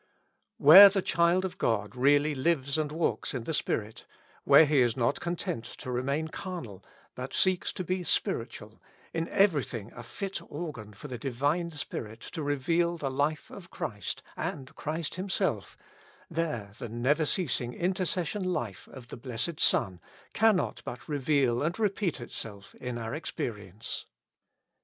Where the child of God really lives and walks in the Spirit, where he is not content to remain carnal, but seeks to be spir itual, in everything a fit organ for the Divine Spirit to reveal the life of Christ and Christ Himself, there the never ceasing intercession life of the Blessed Son cannot but reveal and repeat itself in our experience.